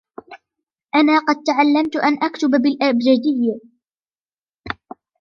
أنا قد تعلمت أن أكتب بالأبجدية.